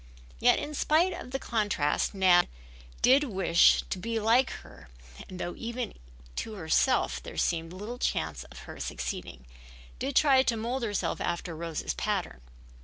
Yet in spite of the contrast Nan did wish to be like her and though even to herself there seemed little chance of her succeeding, did try to mold herself after Rose's pattern.